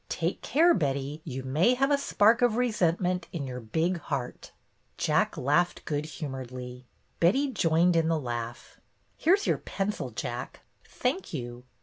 Take care, Betty; you may have a spark of resent ment in your big heart !" Jack laughed good humoredly. Betty joined in the laugh. "Here's your pencil, Jack. Thank you.